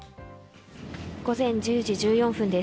午前１０時１４分です。